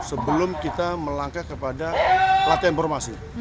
sebelum kita melangkah kepada latihan yang lain